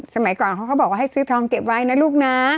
สมัยก่อนเขาก็บอกว่าให้ซื้อทองเก็บไว้นะลูกนะ